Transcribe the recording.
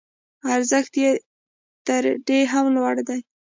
ارزښت یې تر دې هم لوړ دی.